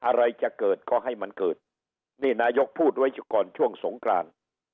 อะไรจะเกิดก็ให้มันเกิดนี่นายกพูดไว้ก่อนช่วงสงกราน